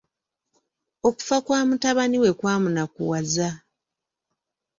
Okufa kwa mutabani we kwamunakuwaza.